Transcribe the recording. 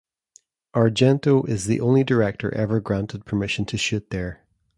Argento is the only director ever granted permission to shoot there.